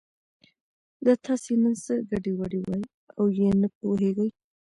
دا تاسې نن څه ګډې وډې وایئ او یې نه پوهېږي.